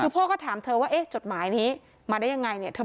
พ่อก็ถามเธอว่าจดหมายนี้มาได้ยังไง